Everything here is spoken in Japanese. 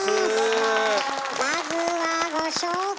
まずはご紹介！